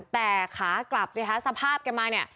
แต่ขากลับสภาพแกมา